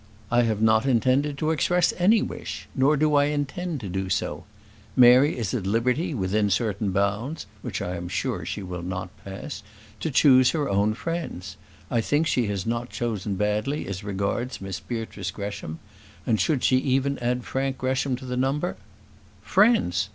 I have not intended to express any wish; nor do I intend to do so. Mary is at liberty, within certain bounds which I am sure she will not pass to choose her own friends. I think she has not chosen badly as regards Miss Beatrice Gresham; and should she even add Frank Gresham to the number " "Friends!